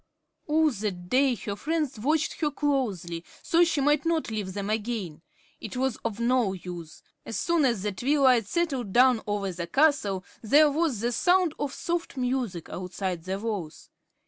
All that day her friends watched her closely, so she might not leave them again. It was of no use. As soon as the twilight settled down over the castle, there was the sound of soft music outside the walls.